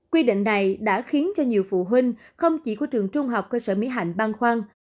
quy định này đã khiến cho nhiều phụ huynh không chỉ của trường trung học cơ sở mỹ hạnh băn khoăn